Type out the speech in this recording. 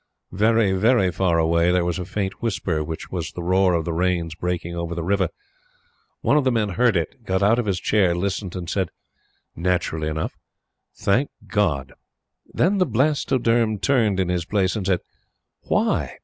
Very, very far away, there was a faint whisper, which was the roar of the Rains breaking over the river. One of the men heard it, got out of his chair, listened, and said, naturally enough: "Thank God!" Then the Blastoderm turned in his place and said: "Why?